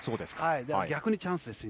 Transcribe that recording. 逆にチャンスですよ、今。